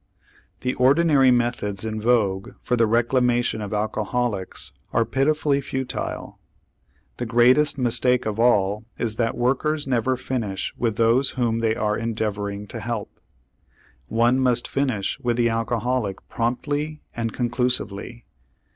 The ordinary methods in vogue for the reclamation of alcoholics are pitifully futile. The greatest mistake of all is that workers never finish with those whom they are endeavoring to help. One must finish with the alcoholic promptly and conclusively.